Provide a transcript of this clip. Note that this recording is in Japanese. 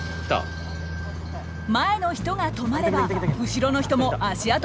前の人が止まれば後ろの人も足跡